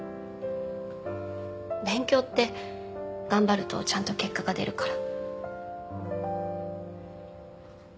勉強って頑張るとちゃんと結果が出るから。